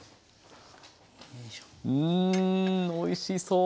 うんおいしそう！